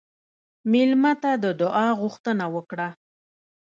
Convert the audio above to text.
مېلمه ته د دعا غوښتنه وکړه.